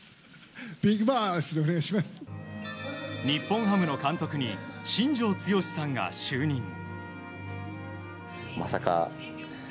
日本ハムの監督に新庄剛志さんが就任。